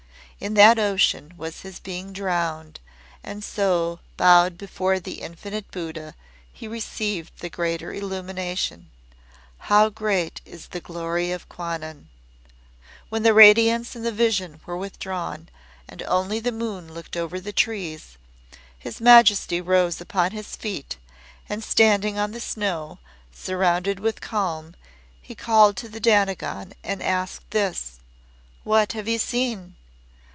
In that ocean was his being drowned, and so, bowed before the Infinite Buddha, he received the Greater Illumination. How great is the Glory of Kwannon! When the radiance and the vision were withdrawn and only the moon looked over the trees, His Majesty rose upon his feet, and standing on the snow, surrounded with calm, he called to the Dainagon, and asked this; "What have you seen?"